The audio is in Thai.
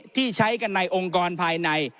ที่ใช้กันในองค์กรภายใน